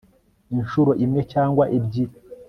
incuro imwe cyangwa ebyiri